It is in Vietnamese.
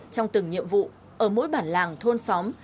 trong từng nhiệm vụ ở mỗi bản làng thôn xóm